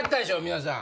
皆さん。